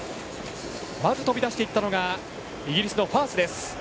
まず飛び出していったのがイギリスのファース。